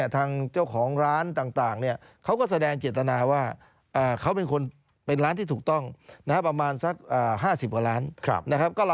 เป็นร้านที่ถูกต้องนะครับประมาณสัก๕๐กว่าร้านนะครับ